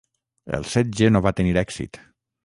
El setge no va tenir èxit.